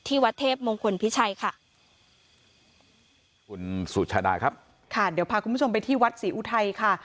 วัดเทพมงคลพิชัยค่ะคุณสุชาดาครับค่ะเดี๋ยวพาคุณผู้ชมไปที่วัดศรีอุทัยค่ะ